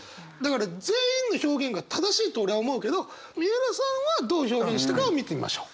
全員の表現が正しいと俺は思うけど三浦さんはどう表現したかを見てみましょう。